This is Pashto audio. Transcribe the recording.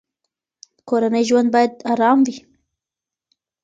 کورنی ژوند باید ارام وي.